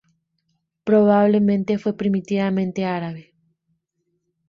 Probablemente fue primitivamente árabe.